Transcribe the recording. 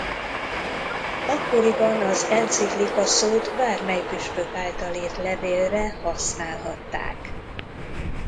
Akkoriban az enciklika szót bármely püspök által írt levélre használhatták.